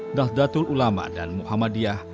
nahdlatul ulama dan muhammadiyah